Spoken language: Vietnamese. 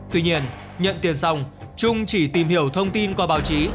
tuy nhiên nhận tiền dòng trung chỉ tìm hiểu thông tin qua báo chí